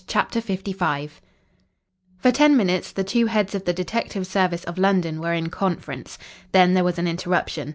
CHAPTER LV For ten minutes the two heads of the detective service of London were in conference. Then there was an interruption.